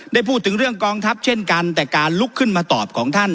ได้พูดถึงเรื่องกองทัพเช่นกันแต่การลุกขึ้นมาตอบของท่าน